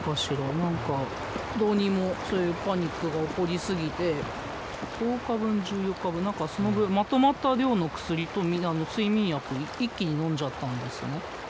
何かどうにもそういうパニックが起こりすぎて１０日分１４日分何かその分まとまった量の薬と睡眠薬一気にのんじゃったんですね。